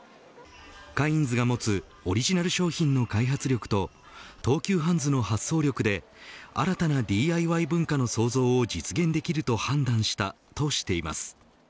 カインズが持つオリジナル商品の開発力と東急ハンズの発想力で新たなＤＩＹ文化の創造を実現できると判断したとしています。